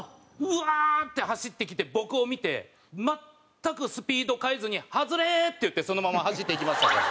ブワーッて走ってきて僕を見て全くスピード変えずに「ハズレ」って言ってそのまま走っていきましたから。